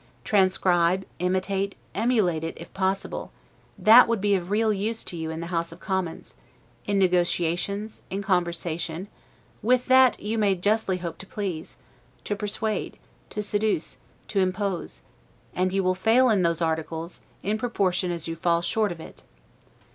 Transcribe, imitate, emulate it, if possible: that would be of real use to you in the House of Commons, in negotiations, in conversation; with that, you may justly hope to please, to persuade, to seduce, to impose; and you will fail in those articles, in proportion as you fall short of it.